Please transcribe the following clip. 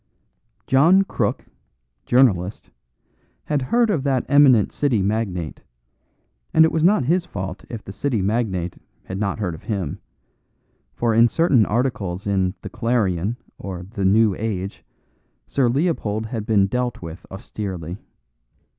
John Crook, journalist, had heard of that eminent City magnate; and it was not his fault if the City magnate had not heard of him; for in certain articles in The Clarion or The New Age Sir Leopold had been dealt with austerely.